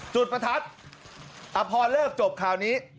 จุดประทัดพอเลิกจบข่าวนี้